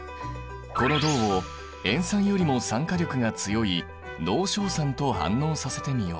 この銅を塩酸よりも酸化力が強い濃硝酸と反応させてみよう。